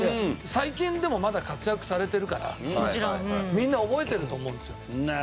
最近でもまだ活躍されてるからみんな覚えてると思うんですよね。